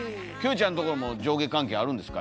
ちゃんところも上下関係あるんですか？